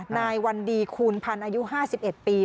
นายวันดีคูณพันธ์อายุ๕๑ปี